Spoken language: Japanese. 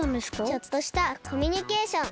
ちょっとしたコミュニケーション。